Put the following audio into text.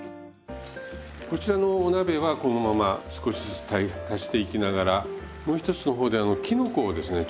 こちらのお鍋はこのまま少しずつ足していきながらもう一つの方できのこをですね